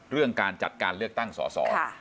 เรื่องการจัดการเลือกตั้งสอสอ